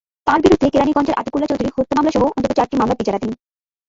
তাঁর বিরুদ্ধে কেরানীগঞ্জের আতিকুল্লাহ চৌধুরী হত্যা মামলাসহ অন্তত চারটি মামলা বিচারাধীন।